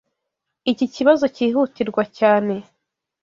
Iki kibazo cyihutirwa cyane.